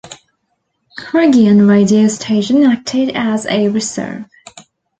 Criggion radio station acted as a reserve.